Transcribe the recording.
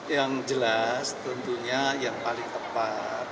yang jelas tentunya yang paling tepat